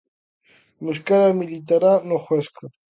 Mosquera militará no Huesca.